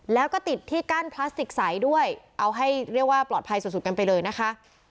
แล้วก็ติดที่กั้นพลาสติกใสด้วยเอาให้เรียกว่าปลอดภัยสุดกันไปเลยนะคะ